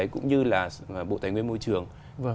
cũng như là bộ tài nguyên môi trường